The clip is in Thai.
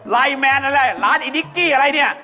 ไลมันอะไรร้านอีนิกกี้อะไรนี้